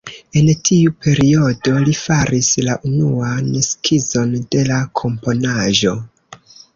En tiu periodo li faris la unuan skizon de la komponaĵo.